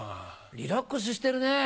リラックスしてるねぇ。